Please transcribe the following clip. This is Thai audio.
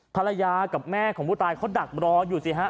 ภรรยากับแม่ของผู้ตายเขาดักรออยู่สิฮะ